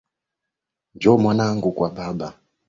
Njoo Mwanangu Kwa Baba.